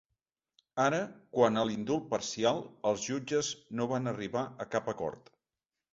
Ara, quant a l’indult parcial, els jutges no van arribar a cap acord.